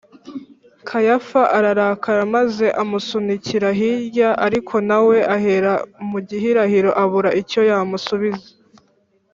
kayafa ararakara maze amusunikira hirya, ariko na we ahera mu gihirahiro abura icyo yamusubiza